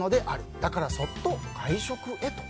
だからそっと外食へと。